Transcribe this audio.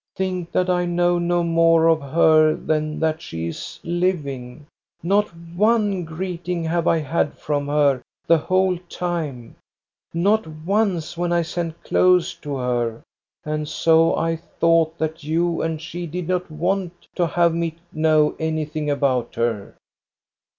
Think that I know no more of her than that she is living. Not one greeting have I had from her the whole time, not once when I sent clothes to her, and so I thought that you and she did not want to have me know anything about her."